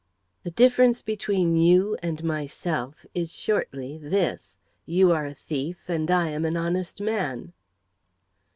"The difference between you and myself is, shortly, this you are a thief, and I am an honest man."